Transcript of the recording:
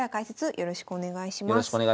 よろしくお願いします。